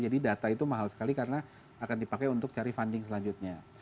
jadi data itu mahal sekali karena akan dipakai untuk cari funding selanjutnya